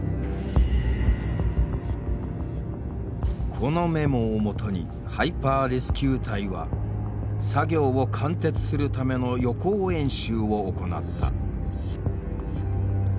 このメモをもとにハイパーレスキュー隊は作業を貫徹するための予行演習を行った。